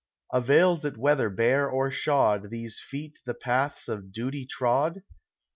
Avails it whether bare or shod These feet the .paths of duty trod ?